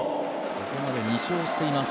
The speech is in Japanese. ここまで２勝しています。